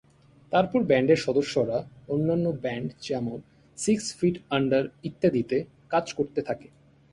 তারপর ব্যান্ডের সদস্যরা অন্যান্য ব্যান্ড যেমন-সিক্স ফিট আন্ডার ইত্যাদিতে কাজ করতে থাকে।